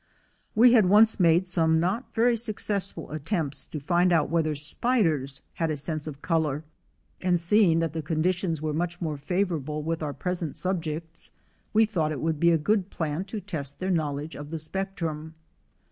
We had once made some not very successful attempts to find out whether spiders had a sense of color; and seeing 4 COMMUNAL LIFE that the conditions were much more favorable with our present subjects, we thought it would be a good plan to test their knowledge of the spectrum.